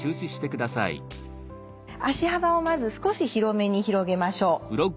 足幅をまず少し広めに広げましょう。